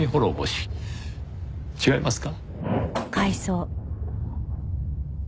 違いますか？